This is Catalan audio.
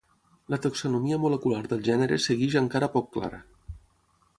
La taxonomia molecular del gènere segueix encara poc clara.